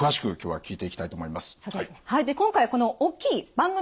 はい。